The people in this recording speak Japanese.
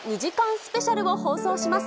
スペシャルを放送します。